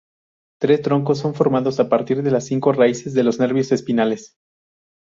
Tres troncos son formados a partir de las cinco raíces de los nervios espinales.